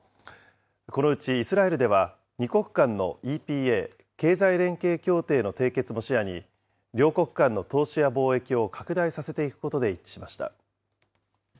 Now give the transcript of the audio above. このうちイスラエルでは、２国間のＥＰＡ・経済連携協定の締結も視野に、両国間の投資や貿易を拡大させていくことで一致しました。